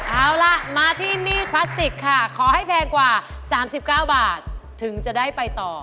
เอาล่ะมาที่มีดพลาสติกค่ะขอให้แพงกว่า๓๙บาทถึงจะได้ไปต่อ